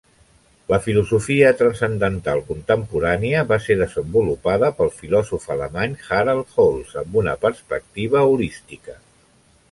La filosofia transcendental contemporània va ser desenvolupada pel filòsof alemany Harald Holz amb una perspectiva holística.